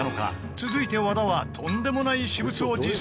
続いて、和田はとんでもない私物を持参